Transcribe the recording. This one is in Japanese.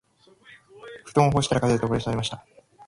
布団を干したら風で飛ばされました